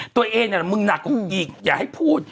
ตัวเองมึงหนักนึงดีอย่าให้พูด